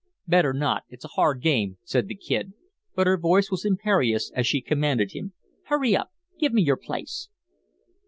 "Better not. It's a hard game," said the Kid, but her voice was imperious as she commanded him: "Hurry up. Give me your place."